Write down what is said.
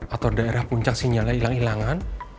atau daerah puncak sinyala hilang hilangan